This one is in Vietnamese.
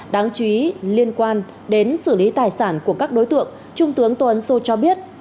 đáng chú ý liên quan đến xử lý tài sản của các đối tượng trung tướng tô ấn sô cho biết